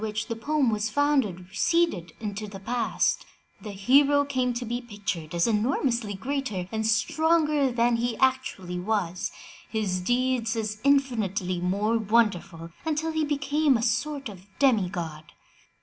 194 Sigurc THE LATCH KEY the poem was founded, receded into the past, the hero came to be pictured as enormously greater and stronger than he actually was, his deeds as infinitely more wonderful, until he became a sort of demi god.